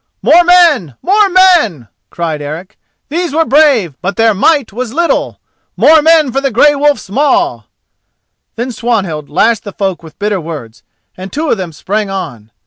"More men! more men!" cried Eric. "These were brave, but their might was little. More men for the Grey Wolf's maw!" Then Swanhild lashed the folk with bitter words, and two of them sprang on.